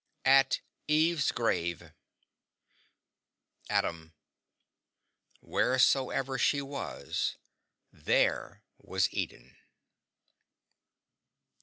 At Eve's Grave ADAM: Wheresoever she was, THERE was Eden.